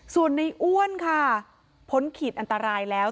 ส่วนในอ้วนค่ะพ้นขีดอันตรายแล้ว